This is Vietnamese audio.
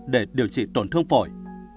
để điều trị tổn thương phổi